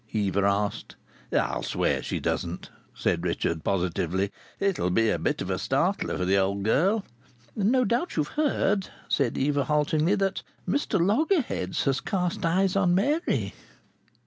Eva asked. "I'll swear she doesn't," said Richard, positively. "It'll be a bit of a startler for the old girl." "No doubt you've heard," said Eva, haltingly, "that Mr Loggerheads has cast eyes on Mary."